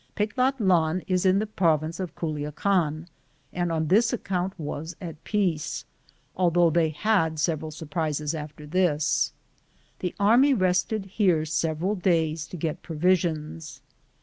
Petlatlan is in the province of Culiacan, and on this account was at peace, although they had several surprises after this. The army rested here several days to get provisions.